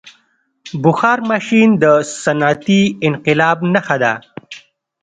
• بخار ماشین د صنعتي انقلاب نښه ده.